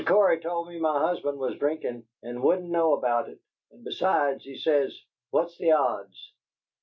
Cory told me my husband was drinkin' and wouldn't know about it, and, 'Besides,' he says, 'what's the odds?'